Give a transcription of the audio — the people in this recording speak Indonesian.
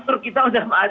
makanan kita sudah manis